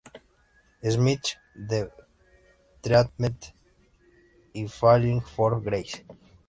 Smith", "The Treatment" y "Falling for Grace".